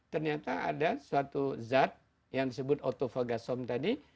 ternyata ada suatu zat yang disebut autofagasom tadi